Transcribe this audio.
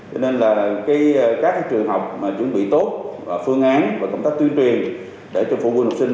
cho nên là các trường học mà chuẩn bị tốt phương án và công tác tuyên truyền để cho phụ huynh học sinh